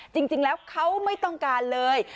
จริงแล้วเขาไม่ต้องการเลย